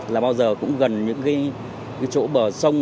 là bao giờ cũng gần những cái chỗ bờ sông